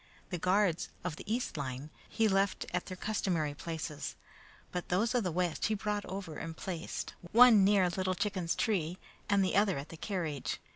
The guards of the east line he left at their customary places, but those of the west he brought over and placed, one near Little Chicken's tree, and the other at the carriage.